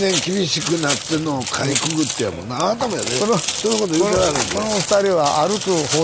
人のこと言うてられへんで。